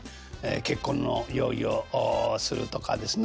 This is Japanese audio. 結婚の用意をするとかですな。